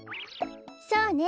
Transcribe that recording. そうね。